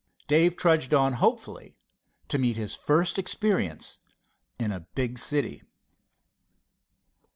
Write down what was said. Dave trudged on hopefully to meet his first experience in a big city.